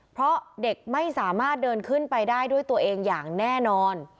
เพราะเด็กไม่สามารถเดินขึ้นไปได้ด้วยตัวเองอย่างแน่นอน